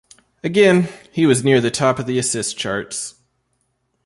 Again, he was near the top of the assist charts.